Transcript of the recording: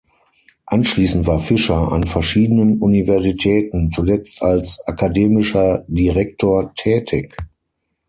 Anschließend war Fischer an verschiedenen Universitäten, zuletzt als Akademischer Direktor, tätig.